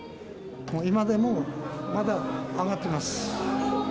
今でもまだ上がっています。